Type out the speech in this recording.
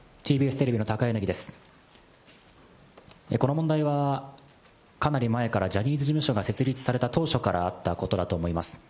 この問題は、かなり前からジャニーズ事務所が設立された当初からあったことだと思います。